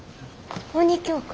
鬼教官？